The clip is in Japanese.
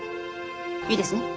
いいですね？